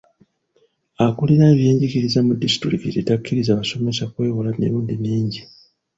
Akulira ebyenjigiriza mu disitulikiti takiriza basomesa kwewola mirundi mingi.